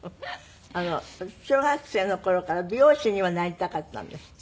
小学生の頃から美容師にはなりたかったんですって？